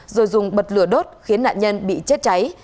rồi dùng bật lửa đốt khiến nạn nhân bị chết cháy